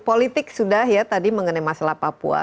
politik sudah ya tadi mengenai masalah papua